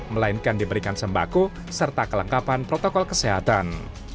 melainkan diberikan sembako serta kelengkapan protokol kesehatan